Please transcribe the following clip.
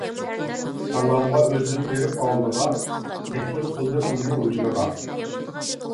سالامغا ئۆزۈم بېرىپ ئالدىغا، تەكلىپ قىلدىم ئۇنى ھۇجرىغا.